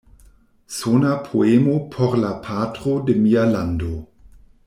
Sona poemo por la patro de mia lando".